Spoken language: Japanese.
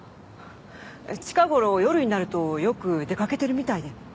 近頃夜になるとよく出かけてるみたいで。